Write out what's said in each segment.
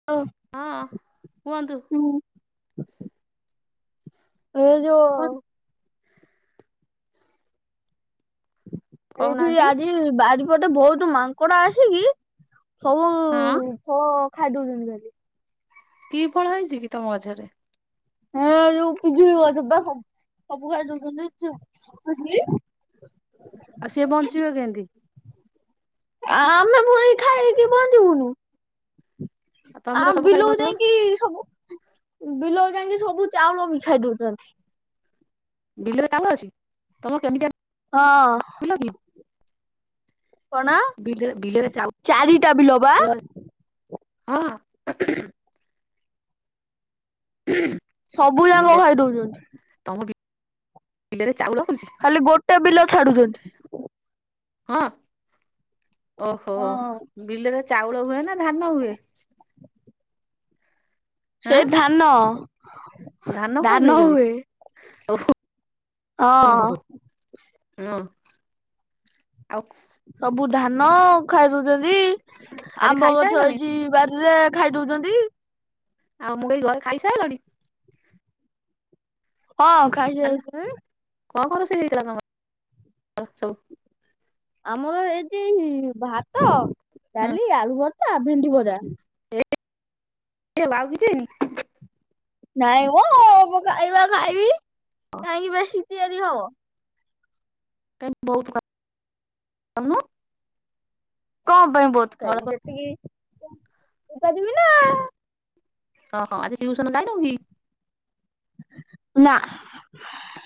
[unintelligible] ହଁ, କୁହନ୍ତୁ? ହୁଁ ଏ ଯୋ ଏଇଠି କହୁନାହାନ୍ତି। ଆଜି ବାରିପଟେ ବହୁତ ମାଙ୍କଡ ଆସିକିି ସବୁ ହଁ। ଫଳ ଖାଇଦଉଛନ୍ତି ଖାଲି। କି ଫଳ ହେଇଚିକି ତମ ଗଛରେ? ହଁ, ଏ ଯୋଉ ପିଜୁଳି ଗଛ ତ। ସବୁ ଖାଇଦଉଛନ୍ତି [unintelligible] ଆଉ ସିଏ ବଞ୍ଚିବ କେମିତି? ଆ ଆମେ ଫୁଣୀ ଖାଇକି ବଞ୍ଚିବୁନୁ। ଆଉ ଆ ତମେ ତ ସବୁ ଖାଇ ବିଲକୁ ବଞ୍ଚିବ ଯାଇକି ସବୁ ବିଲକୁ ଯାଇଁକି ସବୁ ଚାଉଳ ବି ଖାଇ ଦଉଚନ୍ତି। ବିଲ ଚାଉଳ ଅଛି, ତମର କେମିତି ହଁ। ପିଲ କି [unintelligible] କଣ? ବିଲ ବିଲରେ ଚାରିଟା ବିଲ ବା। ଚାଉଳ ହଁ ସବୁ ଯାକ ବିଲ ଖାଇ ଦଉଛନ୍ତି ତମ ବିଲରେ ଚାଉ ଲାଗୁଛି [unintelligible] ଖାଲି ଗୋଟେ ବିଲ ଛାଡୁଛନ୍ତି। ହଁ, ଓହୋ। ହଁ ବିଲରେ ଚାଉଳ ହୁଏ, ନା ଧାନ ହୁଏ? ସେ ଆଁ ଧାନ ଧାନ ଖାଇଦଉଛନ୍ତି? ଓହୋ ହଁ ଆଉ [unintelligible] ସବୁ ଧାନ ଖାଇଦଉଛନ୍ତି। ଆଜି ଆମ୍ବ ଗଛ ଖାଇସାରିଲଣି ହେଇଚି ବାରିରେ ଖାଇ ଦଉଚନ୍ତି। ଆଉ [inaudible] [inaudible] [inaudible] ହଁ, ହେଲା ଖାଇସାଇଲିଣି। [inaudible] [inaudible] [inaudible] [inaudible] [inaudible] ଆମର ହେଇଚି ଭାତ, ଡାଲି, ଆଳୁ ଭର୍ତା, ଭେଣ୍ଡି ଭଜା। ଏତିକି ହେଲା, ଆଉ କିଛି ହେଇନି? ନାଇଁ ମ, ମୁଁ ଖାଇବା ଖାଇବି କାହିଁକି ବେଶୀ ତିଆରି ହବ? [inaudible] କଁ ପାଇଁ ବହୁତ୍ ଅଳପ ଖାଇବି, ଯେତିକି--କରିପାରିବିନା ଆଉ। ହଁ, ହଁ ଆଜି ଟିଉସନ ଯାଇନୁକି? ନା,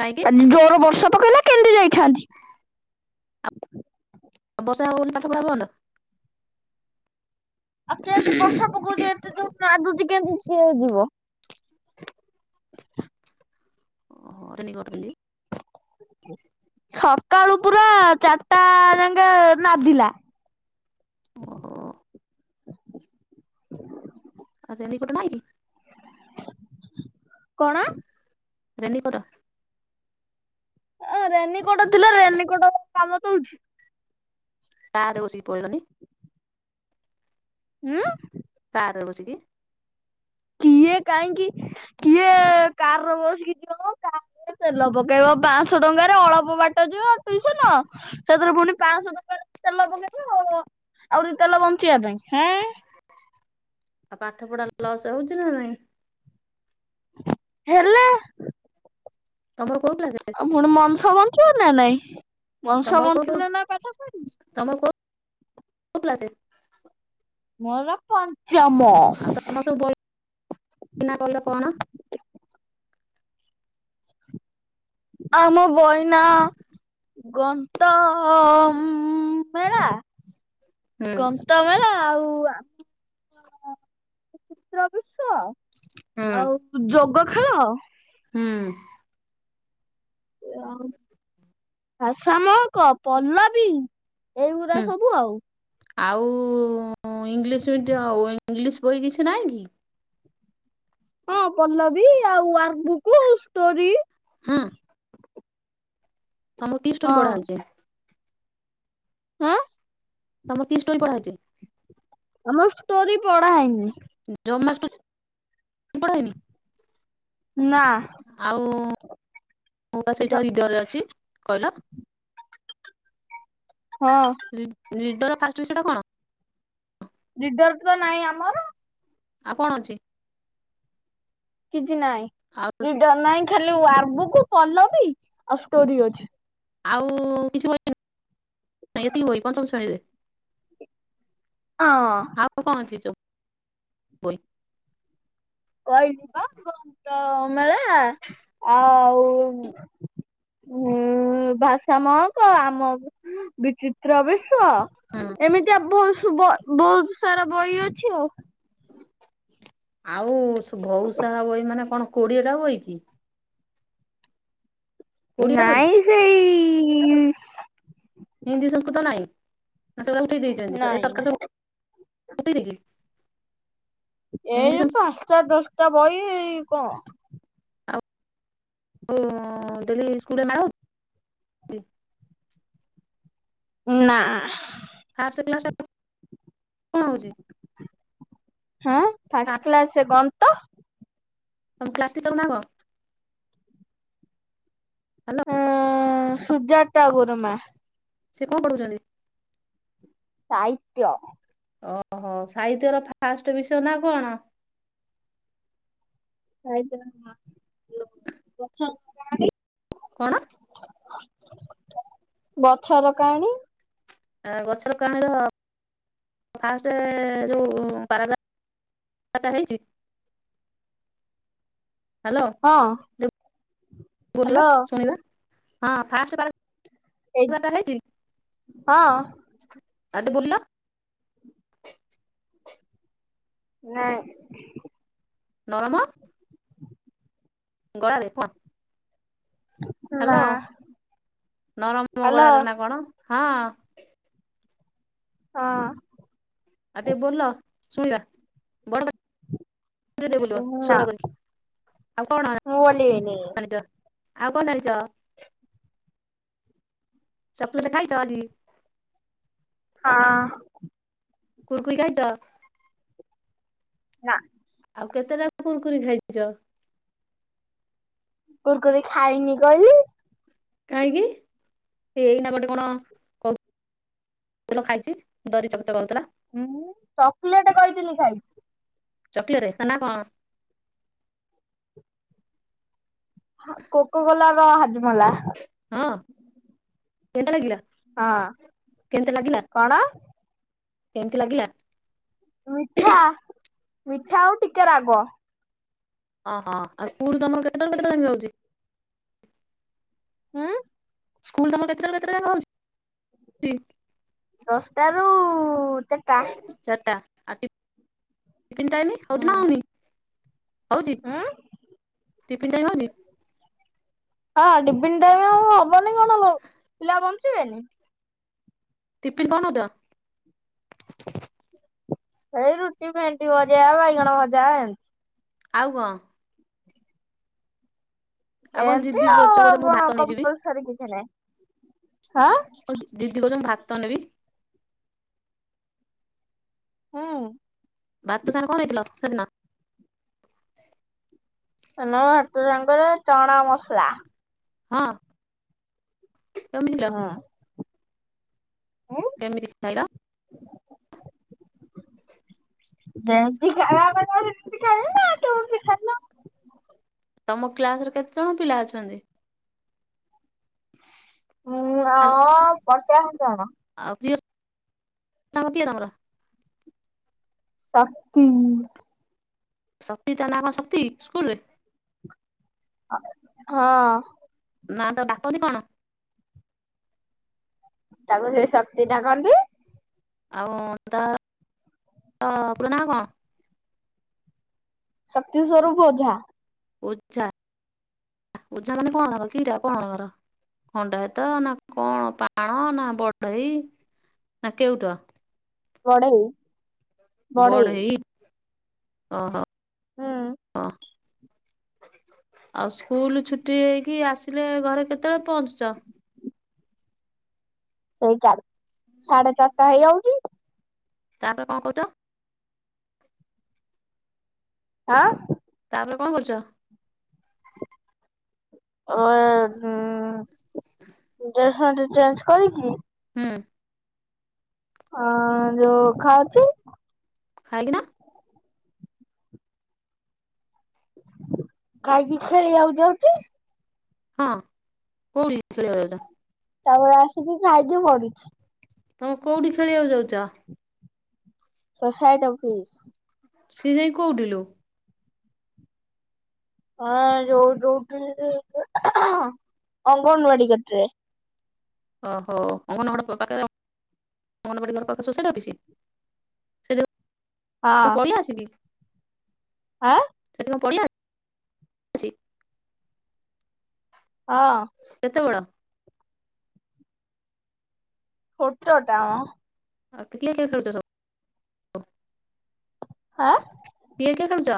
କାହିଁକି ଆଜି ଜୋରୋ ବର୍ଷା ପକେଇଲା କେନ୍ତି ଯାଇଥାନ୍ତି? ବର୍ଷା ହବ ବୋଲି, ପାଠ ପଢା ବନ୍ଦ? ଆଉ କେନ୍ତି ବର୍ଷା ପକୋଉଚି ଏତେ ଜୋର୍ ନାଦୁଛି କେମିତି କିଏ ଯିବ? ଓହୋ, ରେନିକୋଟ ପିନ୍ଧିକି। ସକାଳୁ ପୁରା ଚାର୍ଟା ଯାଂକେ ନାଦିଲା। ଓହୋ। ଆଁ ରେନିକୋଟ ନାହିଁ କି? କଣ? ରେନିକୋଟ? ଆ ରେନି କୋଟୋ ଥିଲେ, ରେନି କୋଟୋ କାମ ଦଉଚି? କାର ରେ ବସିକି ପଳେଇଲନି? ଉଁ କାର ରେ ବସିକି କିଏ କାହିଁକି, କିଏ କାରରେ ବସିକିି ଯିବ ମଁ? କାର୍ ର ତେଲ ପକେଇବ ପାଁଶହ ଟଙ୍କାରେ ଅଳପ ବାଟ୍ ବାଟ ଯିବ ଟୁଇସନ ସେଥିରେ ପୁଣି ପାଶହ ଟଙ୍କାରେ ତେଲ ପକେଇବ, ଆହୁରି ତେଲ ବଞ୍ଚିବ ପାଇଁଁ। ହେଁ। ଆଉ ପାଠ ପଢା ଲସ୍ ହୋଉଚି ନା ନାଇଁ? ହେଲା ତମର [inaudible] ଆଉ ଫୁଣି ମଂସ ବଞ୍ଚିବ ନା ନାଇଁ। ମଣିଷ ବଞ୍ଚିଲେ ନା ପାଠ ପଢିବୁ [unintelligible] ମୋରୋ ପଞ୍ଚମ। [unintelligible] ଆମ ବଇନା ଗନ୍ତ ଉ-ଉମ୍-ଉମ୍ ମେଳା। ହୁଁ ଗନ୍ତ ମେଳା ଆଉ ଆ ତ୍ରବିଶ ହୁଁ ଆଉ ଯୋଗୋ ଖେଳ। ହୁଁ। ୟାଉ ଭାଷା ମହକ, ପଲ୍ଲବୀ। ହୁଁ ଏଇଗୁରା ସବୁ ଆଉ। ଆଉ ଇଂଲିଶ୍ ମିଡ଼ିୱ, ଇଂଲିଶ୍ ବହି କିଛି ନାହିଁ କି? ହଁ, ପଲ୍ଲବୀ ଆଉ ୱାର୍କ ବୁକ୍ ଷ୍ଟୋରି। ହଁ ତମକୁ କି ଷ୍ଟୋରି ହଁ ପଢ଼ା ହେଇଚି? ହଁ। ତମ କି ଷ୍ଟୋରି ପଢା ହେଇଚି? ଆମ ଷ୍ଟୋରି ପଢା ହେଇନି। ଜମା ଷ୍ଟୋରି ପଢା ହେଇନି ନା। ଆଉ ସେଇଟା ଜ- ଇତରରେ ଅଛି କଇଲ। ହଁ। ନି ନିଡର ଫାଷ୍ଟ ବିଷୟଟା କଣ? ନିଡରତ ନାହିଁ ଆମର। ଆଉ କଣ ଅଛି? କିଛି ନାଇଁ? ଆଉ ନିଡର ନାହିଁ? ଖାଲି ୱାର୍ଡବୁକ ପଲ୍ଲବି ଆଉ ଷ୍ଟୋରୀ ଅଛି। ଆଉ କିଛି ବହି ନାଇଁ ଏତିକି ବହି ପଞ୍ଚମ ଶ୍ରେଣୀରେ। ଅଁ ଆଉ କଁ ଅଛି ସବୁ କହିଲିବା ବିଜ୍ଞାନ ମେଳେ ଆଉ ଉଁ ଭାଷା ମହକ ଆମ ବିଚି ହୁଁ। ତ୍ରବିଶ୍ୱ ଏମିତିଆ ବହୁସୁବ ବହୁତ ସାରା ବହି ଅଛି ଆଉ। ଆଉ ଭଉତୁସାରା ବହିମାନେ କଣ କୋଡିଏଟା ବହିକି? କୋଡିଏଟା ବହି ନାଇଁ ସେଇ ହିନ୍ଦୀ ସଂସ୍କୃତ ନାଇଁ ସେଗୁରା ଉଠେଇ ଦେଇଚନ୍ତି ନାଇଁ ଏସରକାର ସବୁ ଉଠେଇ ଦେଇଚି। ଏଇ ପାଞ୍ଚଟା ଦଶଟା ବହି କଣ? ଉଁ ଡେଲି ସ୍କୁଲରେ ମାଡହଉଚି। ହୁଁ ନା ଫାଷ୍ଟ କ୍ଲାସଟା କଣ ହଉଛି? ହେଁ ଫାଷ୍ଟ କ୍ଲାସ ଗଣିତ। ତମ କ୍ଲାସ ଟିଚର ନା କଣ? ହ୍ୟାଲୋ ହଁ ସୁଜାତା ଗୁରୁମା। ସେ କଁ ପଢଉଚନ୍ତି? ସାହିତ୍ୟ। ଓହୋ ସାହିତ୍ୟର ଫାଷ୍ଟ ବିଷୟ ନା କଣ? ସାହିତ୍ୟର [unintelligible] କଣ? ଗଛର କାଣୀ ଆ ଗଛର କାହାଣୀର ଫାଷ୍ଟେ ଯୋଉ ପାରାଗ୍ରାପଟା ହେଇଛି। ହାଲୋ। ହଁ, ବୋଲିଲ ହ୍ୟାଲୋ ଶୁଣିବା ହଁ ଫାଷ୍ଟ ଏ ପାରାଗ୍ରା [unintelligible] ହେଇଛି ହଁ ଆଉଟେ ବୁଲ ନାଇଁ। ନରମ ଗଳାରେ ପ ନା ହାଲୋ ନରମ ହ୍ୟାଲୋ ଗଳାରେନା କଣ ହଁ? ହଁ। ଆ ଟିକେ ବୋଲ ଶଣିବା ବଡ଼ [unintelligible] ବୋଲିବ ନା ସ୍ଵର କରିକି ଆଉ କଣ ମୁଁ ବୋଲିବିନି ଜାନିଚ? ଆଉ କଣ ଜାଣିଚ? ଚକିଲେଟ ଖାଇଚ ଆଜିି। ହଁ। କୁରକୁରି ଖାଇଚ। ନାଁ। ଆଉ କେତେଟା କୁୁରକୁରି ଖାଇଚ? କୁରକୁରି ଖାଇନି କହିଲି। କାହିଁକି ସେ ଏଇନା ଗଟେ କଣ କହୁ ଦେଲ ଖାଇଛି ଜରି ଚକଚକ ହଉଥିଲା। ଉଁ ଚକିଲେଟ କହିଥିଲି ଖାଇଚି। ଚକଲେଟ୍ସ ତା ନା କଣ? କୋକଗୋଲା ର ହଜମଲା। ହଁ କେତା ଲାଗିଲା। ହଁ କେମିତି ଲାଗିଲା କଣ? କେମିତି ଲାଗିଲା। ମିଠା ମିଠା ଆଉ ଟିକେ ରାଗ। ଓହଁ ଆଉ ସ୍କୁଲ ତମର କେତେଟାରୁ କେତେଟା ଯାଆଁକେ ରହୁଛି। ଉଁ ସ୍କୁଲ ତମର କେତେଟାରୁ କେତେଟା ଯାଆଁକେ ହଉଛି? ଦଶଟା ରୁ ଚାଟା ଆ ଟିଫନ୍ ଟାଇମ ହୁଁ ହଉଚିନା ହଉନି। ହଉଛି ହୁଁ ଟିଫନ୍ ଟାଇମ ହଉଛି। ହଁ ଟିଫନ୍ ଟାଇ ଆଉ ହବନି କଣ ପିଲା ବଞ୍ଚିବେନି। ଟିଫନ୍ କଣ ନଉଦ? ଏଇ ରୁଟି ମେଣ୍ଟି ବଜା ବାଇଗଣ ଭଜା ଏନ୍ତ। ଆଉ କଣ? ଆଉ କଣ ଏମତି ଜିଦି ଆଉ କରୁଛ ଆ କହୁଛ ମୁଁ କଣ ଭାତ ନେଇଯିବି। କପିଲସରୀ କିଛି ନାହିଁଁ ଆ। ଉ ଦିଦି କହୁଛନ୍ତି ଭାତ ନେବି। ହଁ। ଭାତ ସାଙ୍ଗରେ କଣ ହେଇଥିଲ ସେ ଦିନ? ସେଦିନ ଭାତ ସାଙ୍ଗର ଚଣା ମସଲା ହଁ [unintelligible] ଉଁ କେମିତି [unintelligible] ଇଲ? ଯେମିତି ଖାଇବା କଥା ସେମିତି ଖା ଖାଇଲ ତମ କ୍ଲାସରେ କେତେ ଜଣ ପିଲା ଅଛନ୍ତି? ମୁଁ ଆଓ ପଚାଶ ଜଣ। ଆଉ ପ୍ରିୟ [unintelligible] ତମର? ଶକ୍ତି ଶକ୍ତି ତା ନା କଣ ଶକ୍ତି ସ୍କୁଲ ରେ? ହଁ। ନା ତାକୁ ଡାକନ୍ତି କଣ? ତାକୁ ସେଇ ଶକ୍ତି ଡାକନ୍ତି। ଆଉ ତା ପୁରା ନା କଣ? ଶକ୍ତି ସ୍ୱରୂପ ଓଝା। ଓଝା ଓଝା ମାନେ କଣ କିଟା କଣ ତାଙ୍କର? ଖଣ୍ଡାୟତ ନା କଣ ପାଣ ନା ବଢେଇ ନା କେଉଟ? ବଢ଼େଇ ବଢ଼େଇ ଓହୋ ହୁଁ ଓ ଆଉ ସ୍କୁଲ ଛୁଟି ହେଇକି ଆସିଲେ ଘରେ କେତେବେଳେ ପହଞ୍ଚୁଛ? ସେଇ ଚା ସାଢେ ଚାରିଟା ହେଇଯାଉଛି। ତାପରେ କଣ କରୁଚ? ଆଁ ତାପରେ କଣ କରୁଛ? ଆ ଡ୍ରେସ ଚେଞ୍ଜ କରିକି ହୁଁ। ଅ ଯୋଉ ଖାଉଛି ଖାଇ କିିନା? ଖାଇକି ଖେଳିିବାକୁ ଯାଉଛି। ହଁ କଉଠିକି ଖେଳିବାକୁ ଯାଉଛ? ତାପରେ ଆସିକି ଖାଇକି ପଡୁଛି। ତମେ କୋଉଠି ଖେଳିବାକୁ ଯାଉଛ? Society office. ସେି ଯାଇ କୋଉଠିଲୁ? ହଁ ଯୋଉ ରୋଉଠୁ ଅଙ୍ଗନବାଡି କତିରେ ଓହୋ ଅଙ୍ଗନବାଡ ପାଖରେ ଅଙ୍ଗନବାଡିର ପାଖରେ ଶୋ ସୋସାଇଟି ଅଫିସ [unintelligible] ଆଁ? ସେଇଠି କଣ ପଡିଆ ଅ ହଁ। କେତେବଡ? ଛୋଟଟା ମ ଆ କିଏ କିଏ ଖେଳୁଚ ସବୁ? [unintelligible] କିଏ କିଏ ଖେଳୁଚ?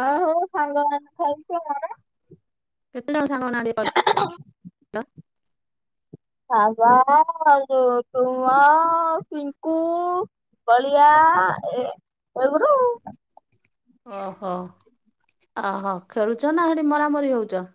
ଆ ହୋ ସାଙ୍ଗ ଖାଇ ଖୁଆ ସାଇଲଣି? କେତେ ଜଣ ସାଙ୍ଗ ମାନେ [unintelligible] ରାଜା [unintelligible] ଯ ଟୁମା ପିଙ୍କୁ ବଳିଆ ଏ ଏଗୁରୁ ଓ ହୋ ଅ ହୋ ଖେଳୁଛ ନା ହେଠି ମରାମରି ହଉଚ?